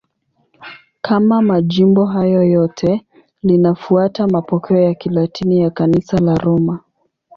Kama majimbo hayo yote, linafuata mapokeo ya Kilatini ya Kanisa la Roma.